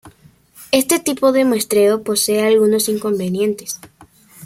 Este tipo de muestreo posee algunos inconvenientes.